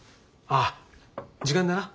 ああ時間だな。